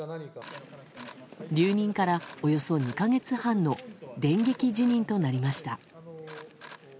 留任から、およそ２か月半の電撃辞任となりました。